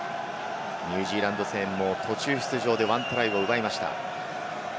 ニュージーランド戦も途中出場で１トライを奪いました。